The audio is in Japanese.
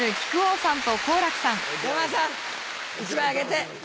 山田さん１枚あげて。